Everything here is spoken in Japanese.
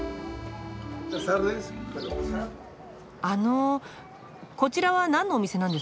あのこちらはなんのお店なんですか？